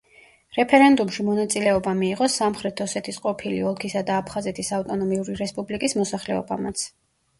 რეფერენდუმში მონაწილეობა მიიღო სამხრეთ ოსეთის ყოფილი ოლქისა და აფხაზეთის ავტონომიური რესპუბლიკის მოსახლეობამაც.